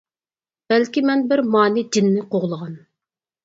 بەلكى مەن بىر مانى جىننى قوغلىغان.